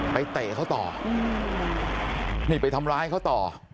เตะเขาต่อนี่ไปทำร้ายเขาต่อ